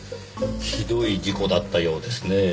ひどい事故だったようですねぇ。